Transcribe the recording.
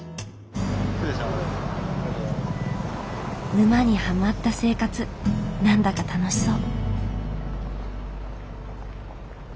沼にハマった生活何だか楽しそう。